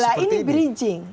nah ini bridging